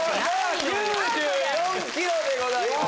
９４ｋｇでございます。